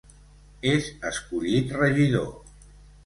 És escollit regidor.